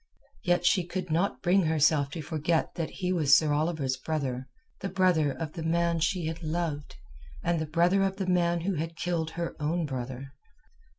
Yet she could not bring herself to forget that he was Sir Oliver's brother—the brother of the man she had loved, and the brother of the man who had killed her own brother.